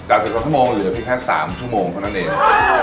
จากสิบสองชั่วโมงเหลือเพียงแค่สามชั่วโมงเท่านั้นเอง